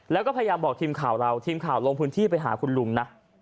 แล้วก็พยายามบอกทีมข่าวเราทีมข่าวลงพื้นที่ไปหาคุณลุงนะ